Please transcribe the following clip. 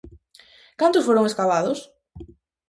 Cantos foron escavados?